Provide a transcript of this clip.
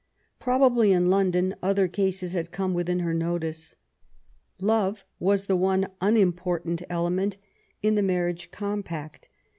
Probably in London other cases had come within her notice. Love was the one unimportant element in the marriage compact.